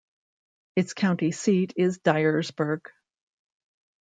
Its county seat is Dyersburg.